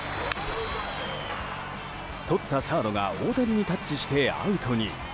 とったサードが大谷にタッチしてアウトに。